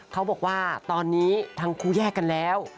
เขาบอกว่าตอนนี้ทั้งคู่แยกกันแล้ว